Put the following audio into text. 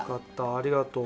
ありがとう。